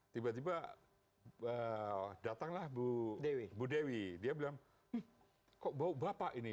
tiba tiba datanglah bu dewi dia bilang kok bau bapak ini